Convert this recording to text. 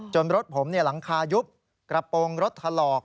จนรถผมเนี่ยหลังคายุบกระโปรงรถถลอก